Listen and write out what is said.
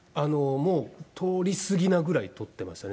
もうとり過ぎなぐらいとってましたね。